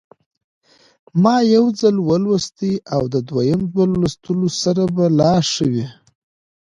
ما یو ځل ولوستی او د دویم ځل لوستلو سره به لا ښه وي.